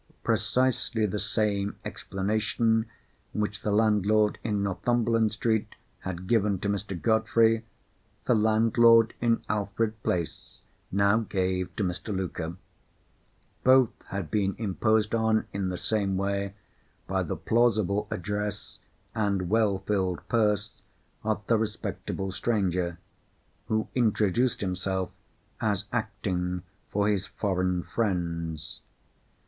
Precisely the same explanation which the landlord in Northumberland Street had given to Mr. Godfrey, the landlord in Alfred Place now gave to Mr. Luker. Both had been imposed on in the same way by the plausible address and well filled purse of the respectable stranger, who introduced himself as acting for his foreign friends.